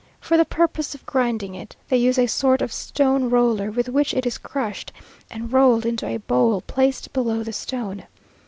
For the purpose of grinding it, they use a sort of stone roller, with which it is crushed, and rolled into a bowl placed below the stone.